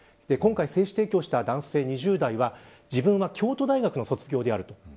今回、精子提供した男性２０代は自分は京都大学卒業であると。